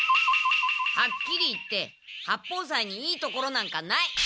はっきり言って八方斎にいいところなんかない！